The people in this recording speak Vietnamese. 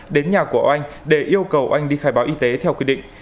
đến nhà của oanh để yêu cầu anh đi khai báo y tế theo quy định